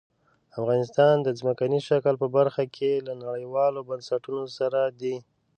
افغانستان د ځمکني شکل په برخه کې له نړیوالو بنسټونو سره دی.